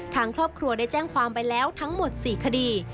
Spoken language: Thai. ทางครอบครัวได้แจ้งความไปแล้วทั้งหมด๔คดี